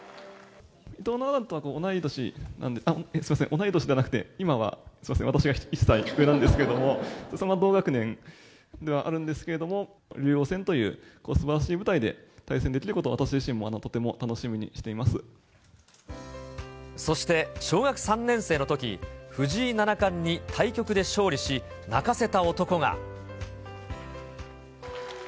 伊藤七段と同い年なので、すみません、同い年ではなくて、今はすみません、私が１歳上なんですけれども、同学年ではあるんですけれども、竜王戦というすばらしい舞台で対戦できることを私自身もとても楽そして小学３年生のとき、藤井七冠に対局で勝利し、泣かせた男が。